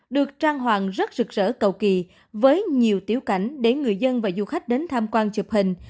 được trang hoàng rất rực rỡ cầu kỳ với nhiều tiểu cảnh để người dân và du khách đến tham quan chụp hình